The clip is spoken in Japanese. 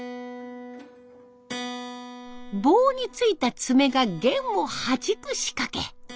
棒に付いた爪が弦をはじく仕掛け。